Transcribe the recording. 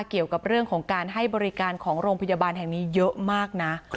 เกี่ยวกับเรื่องของการให้บริการของโรงพยาบาลแห่งนี้เยอะมากนะ